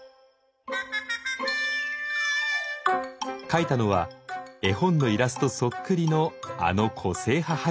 書いたのは絵本のイラストそっくりのあの個性派俳優。